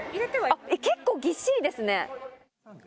結構ぎっしりですね。